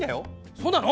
そうなの？